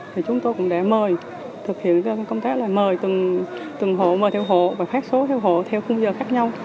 thì chúng tôi cũng đã mời thực hiện công tác là mời từng hộ mời theo hộ và phát số theo hộ theo khung giờ khác nhau